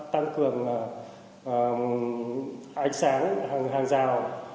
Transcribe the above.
tăng cường ánh sáng hàng rào